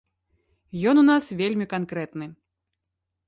Ён у нас вельмі канкрэтны.